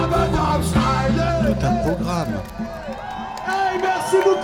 Tout un programme !